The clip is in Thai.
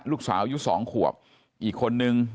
ลูกสาวอายุ๒ขวบอีกคนนึง